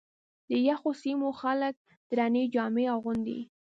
د یخو سیمو خلک درنې جامې اغوندي.